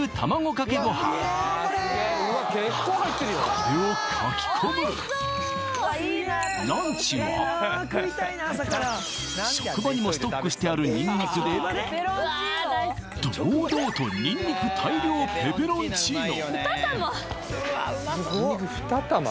これをかき込む職場にもストックしてあるニンニクで堂々とニンニク大量ペペロンチーノ